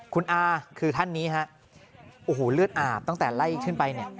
คุณอาคือท่านนี้เลือดอาบตั้งแต่ไล่ขึ้นไป